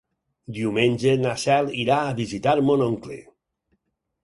Diumenge na Cel irà a visitar mon oncle.